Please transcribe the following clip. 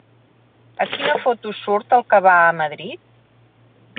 A quina foto surt el que va a Madrid?